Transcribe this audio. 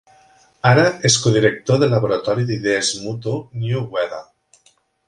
Ara és codirector del laboratori d'idees mutu New Weather.